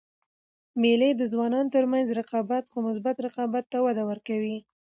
مېلې د ځوانانو تر منځ رقابت؛ خو مثبت رقابت ته وده ورکوي.